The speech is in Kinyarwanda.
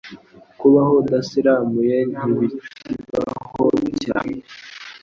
kubaho udasiramuye ntibikibaho cyane